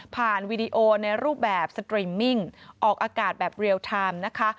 วีดีโอในรูปแบบสตริมมิ่งออกอากาศแบบเรียลไทม์นะคะ